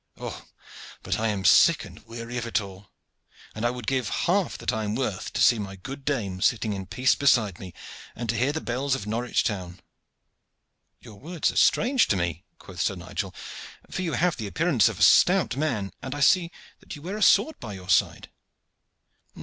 Oh, but I am sick and weary of it all, and I would give half that I am worth to see my good dame sitting in peace beside me, and to hear the bells of Norwich town." "Your words are strange to me," quoth Sir Nigel, "for you have the appearance of a stout man, and I see that you wear a sword by your side."